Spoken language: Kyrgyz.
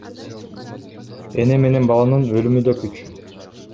Эне менен баланын өлүмү да күч.